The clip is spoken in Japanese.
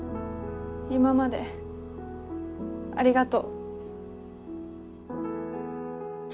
今までありがと。